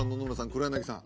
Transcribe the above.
黒柳さん